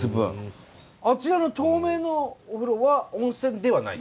あちらの透明のお風呂は温泉ではない？